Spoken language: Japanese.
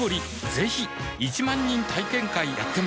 ぜひ１万人体験会やってます